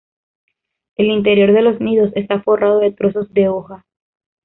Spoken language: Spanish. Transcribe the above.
El interior de los nidos está forrado de trozos de hojas.